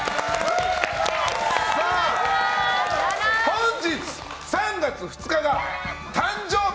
本日、３月２日が誕生日！